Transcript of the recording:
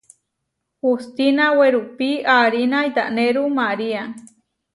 Hustina werupí aarína iʼtanéru María.